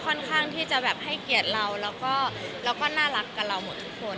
ค่อนข้างที่จะแบบให้เกียรติเราแล้วก็น่ารักกับเราหมดทุกคน